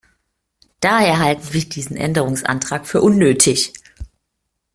Daher halten wir diesen Änderungsantrag für unnötig.